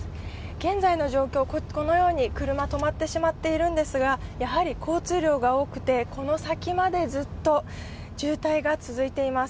現在の状況、このように車止まってしまっているんですが、やはり交通量が多くてこの先までずっと渋滞が続いています。